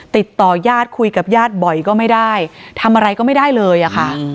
ติดต่อยาดคุยกับญาติบ่อยก็ไม่ได้ทำอะไรก็ไม่ได้เลยอะค่ะ